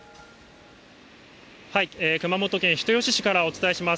熊本県人吉市からお伝えします。